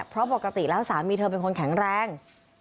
เพราะปกติแล้วสามีเธอเป็นคนแข็งแรง